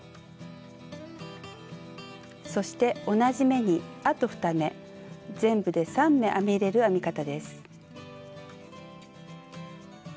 そして同じ目にあと２目全部で３目編み入れる編み方です。